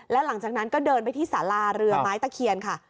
แล้วหลังจากนั้นก็เดินไปที่สาราเรือไม้ตะเคียนค่ะ